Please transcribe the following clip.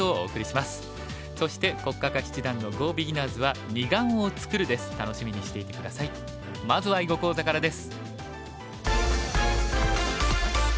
まずは囲碁講座からです。